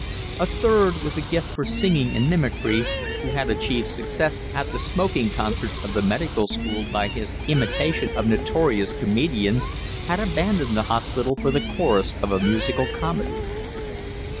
A third, with a gift for singing and mimicry, who had achieved success at the smoking concerts of the Medical School by his imitation of notorious comedians, had abandoned the hospital for the chorus of a musical comedy.